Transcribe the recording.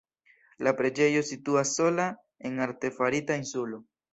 La preĝejo situas sola en artefarita insulo.